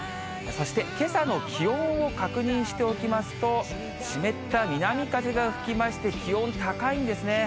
そして、けさの気温を確認しておきますと、湿った南風が吹きまして、気温高いんですね。